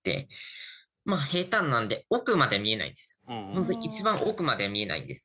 ホントに一番奥まで見えないんです。